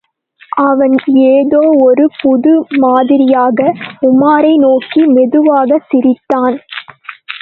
அவன் ஏதோ ஒரு புது மாதிரியாக உமாரை நோக்கி மெதுவாகச் சிரித்தான்.